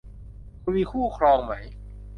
คุณมีคู่ครองไหม